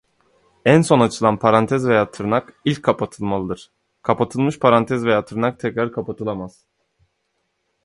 Iravati must come to terms with her feelings about the daughter she believed dead.